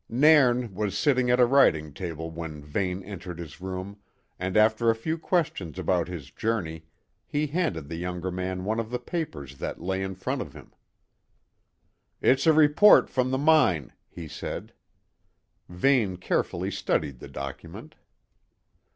Nairn was sitting at a writing table when Vane entered his room, and after a few questions about his journey, he handed the younger man one of the papers that lay in front of him. "It's a report from the mine," he said. Vane carefully studied the document.